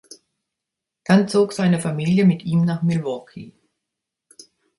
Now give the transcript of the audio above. Dann zog seine Familie mit ihm nach Milwaukee.